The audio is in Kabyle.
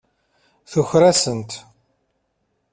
Tuker-asent.